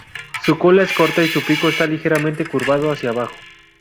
Su cola es corta y su pico está ligeramente curvado hacia abajo.